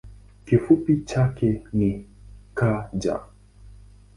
Kifupi chake ni kg.